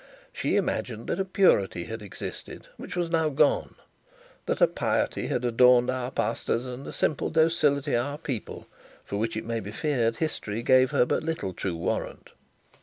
She imagined that a purity had existed which was now gone; that a piety had adorned our pastors and a simple docility our people, for which it may be feared history gave her but little true warrant.